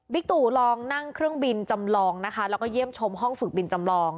ตู่ลองนั่งเครื่องบินจำลองนะคะแล้วก็เยี่ยมชมห้องฝึกบินจำลอง